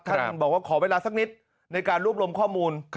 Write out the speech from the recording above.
ท่านบอกว่าขอเวลาสักนิดในการรวบรวมข้อมูล